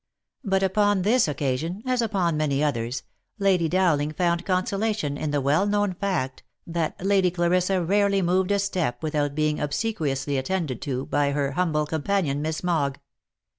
But upon this occasion, as upon many others, Lady Dowling found consolation in the well known fact, that Lady Clarissa rarely moved a step without being obsequiously attended by her humble companion, Miss Mogg.